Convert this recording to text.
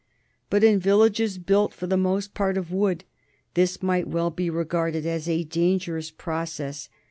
But in villages built for the most part of wood this might well be regarded as a dangerous process.